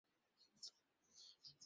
এতে ঐতিহাসিকতা বেশী, ঔপন্যাসিকতা কম।